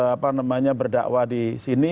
apa namanya berdakwah di sini